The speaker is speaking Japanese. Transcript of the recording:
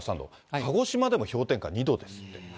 鹿児島でも氷点下２度ですって。